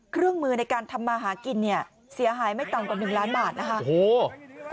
เครื่องมือในการทำมาหากินเนี่ยเสียหายไม่ต่ำกว่า๑ล้านบาทนะคะ